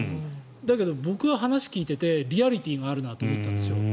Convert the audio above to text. だけど僕は、話を聞いていてリアリティーがあると思ったんですよ。